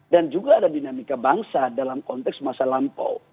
dan juga ada dinamika bangsa dalam konteks masa lampau